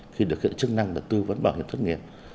khi được hiện chức năng là tư vấn bảo hiểm thất nghiệp